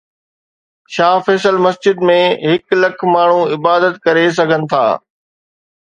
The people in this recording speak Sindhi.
شاهه فيصل مسجد ۾ هڪ لک ماڻهو عبادت ڪري سگهن ٿا